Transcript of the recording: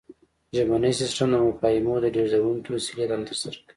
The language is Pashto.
ژبنی سیستم د مفاهیمو د لیږدونکې وسیلې دنده ترسره کوي